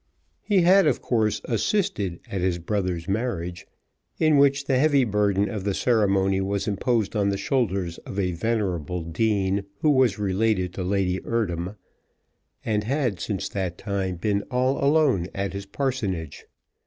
He had, of course, "assisted" at his brother's marriage, in which the heavy burden of the ceremony was imposed on the shoulders of a venerable dean, who was related to Lady Eardham, and had since that time been all alone at his parsonage.